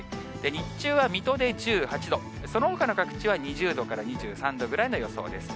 日中は水戸で１８度、そのほかの各地は２０度から２３度ぐらいの予想です。